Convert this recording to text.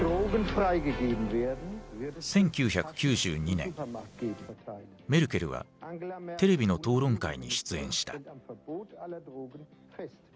１９９２年メルケルはテレビの討論会に出演した。